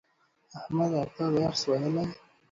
احمده تا درس ویلی